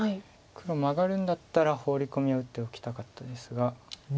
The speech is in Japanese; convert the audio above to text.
黒マガるんだったらホウリ込みを打っておきたかったですが。